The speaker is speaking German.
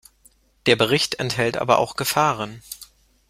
Der Bericht enthält aber auch Gefahren.